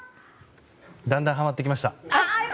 だんだんハマってきました。